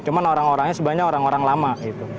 cuma orang orangnya sebenarnya orang orang lama gitu